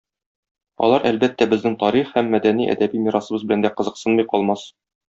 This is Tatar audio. Алар, әлбәттә, безнең тарих һәм мәдәни-әдәби мирасыбыз белән дә кызыксынмый калмас.